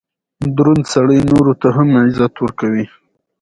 افغانستان د تاریخ د ترویج لپاره پروګرامونه لري.